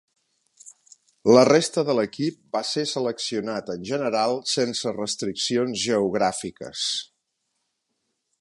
La resta de l'equip va ser seleccionat en general sense restriccions geogràfiques.